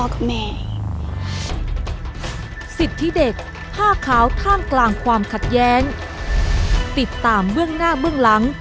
สิทธิเด็กผ้าขาวท่ามกลางความขัดแย้งติดตามเบื้องหน้าเบื้องหลัง